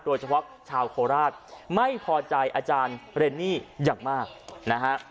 โดยเฉพาะชาวโคราชไม่พอใจอาจารย์เรนนี่อย่างมากนะฮะ